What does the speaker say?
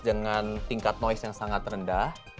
dengan tingkat noise yang sangat rendah